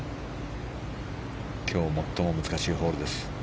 今日最も難しいホールです。